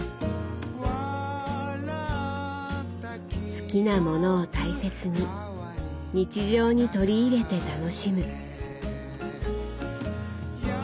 好きなものを大切に日常に取り入れて楽しむ。